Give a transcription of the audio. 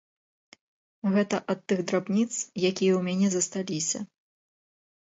Гэта ад тых драбніц, якія ў мяне засталіся.